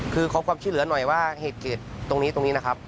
คือขอความช่วยเหลือหน่อยว่าเหตุเกิดตรงนี้ตรงนี้นะครับ